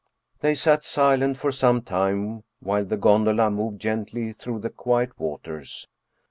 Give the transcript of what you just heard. They sat silent for some time while the gondola moved gently through the quiet waters.